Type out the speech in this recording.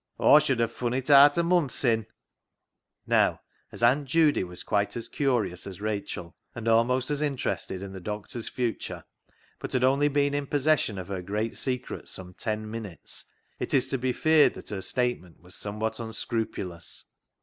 Aw should ha' fun' it aat a munth sin'," Now, as Aunt Judy was quite as curious as Rachel and almost as interested in the doctor's future, but had only been in possession of her great secret some ten minutes, it is to be feared 266 CLOG SHOP CHRONICLES that her statement was somewhat unscrupulous.